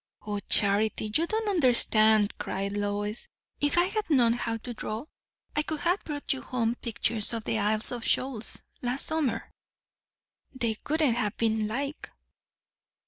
"O Charity, you don't understand," cried Lois. "If I had known how to draw, I could have brought you home pictures of the Isles of Shoals last summer." "They wouldn't have been like."